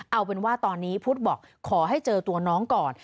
เอาเป็นว่าตอนนี้พุทธบอกขอให้เจอตัวน้องก่อน